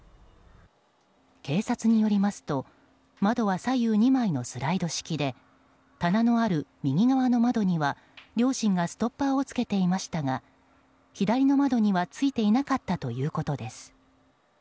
警察によりますと窓は左右２枚のスライド式で棚のある右側の窓には、両親がストッパーをつけていましたが左の窓にはついていなかったということです。